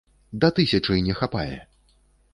Да тысячы не хапае.